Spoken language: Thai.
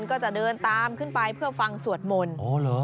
ก็จะเดินตามขึ้นไปเพื่อฟังสวดมนตร์โอ้วเหรอ